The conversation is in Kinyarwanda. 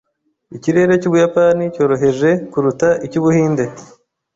Ikirere cy’Ubuyapani cyoroheje kuruta icy'Ubuhinde.